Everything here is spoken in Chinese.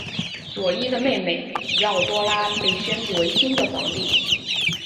佐伊的妹妹狄奥多拉被宣布为新的皇帝。